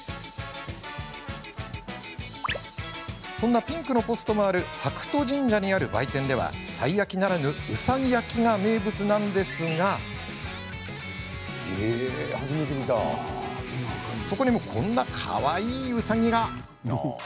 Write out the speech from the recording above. そんなピンクのポストもある白兎神社にある売店ではたい焼きならぬうさぎ焼きが名物なんですがそこにもこんなに、かわいいうさぎが。